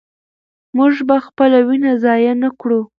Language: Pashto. موږ به خپله وینه ضایع نه کړو.